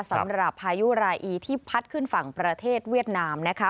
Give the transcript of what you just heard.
พายุรายอีที่พัดขึ้นฝั่งประเทศเวียดนามนะคะ